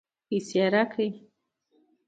پیسې راکړې.